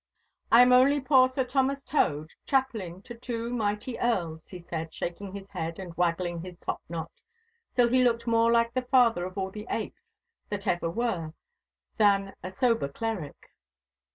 'I am only poor Sir Thomas Tode, chaplain to two mighty Earls,' he said, shaking his head and waggling his top knot, till he looked more like the father of all the apes that ever were, than a sober cleric.